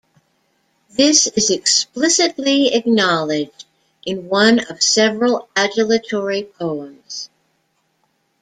This is explicitly acknowledged in one of several adulatory poems.